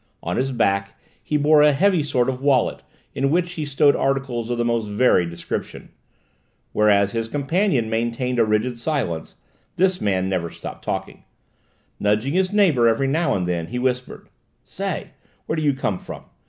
On his back he bore a heavy sort of wallet in which he stowed articles of the most varied description. Whereas his companion maintained a rigid silence, this man never stopped talking. Nudging his neighbour every now and then he whispered: "Say, where do you come from?